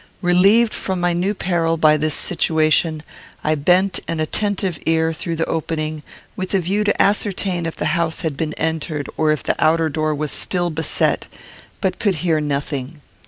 Relieved from my new peril by this situation, I bent an attentive ear through the opening, with a view to ascertain if the house had been entered or if the outer door was still beset, but could hear nothing.